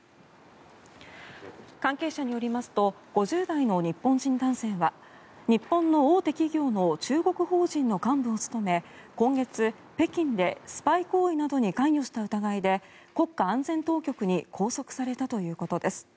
関係者によりますと５０代の日本人男性は日本の大手企業の中国法人の幹部を務め今月、北京でスパイ行為などに関与した疑いで国家安全当局に拘束されたということです。